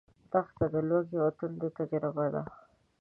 دښته د لوږې او تندې تجربه ده.